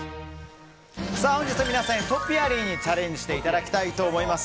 本日は皆さんにトピアリーにチャレンジしていただきたいと思います。